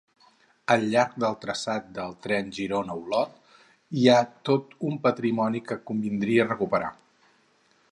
Al llarg del traçat del tren Girona-Olot hi ha tot un patrimoni que convindria recuperar.